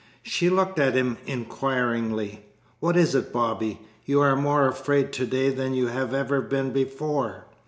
She looked at him inquiringly. "What is it, Bobby? You are more afraid to day than you have ever been before.